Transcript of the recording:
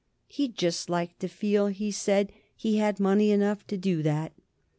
He'd just like to feel, he said, he had money enough to do that.